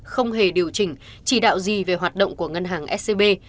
không hề điều chỉnh chỉ đạo gì về hoạt động của ngân hàng scb